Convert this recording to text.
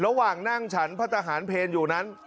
ระหว่างนั่งฉันพระทหารเพลอยู่นั้น